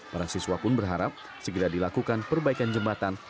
para siswa pun berharap segera dilakukan perbaikan jembatan